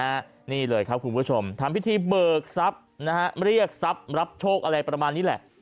ะนิดเลยครับคุณผู้ชมทำพิธีเบิกซับเนาะเรียกซับรับโชคอะไรประมาณนี้